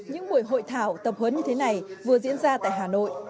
những buổi hội thảo tập huấn như thế này vừa diễn ra tại hà nội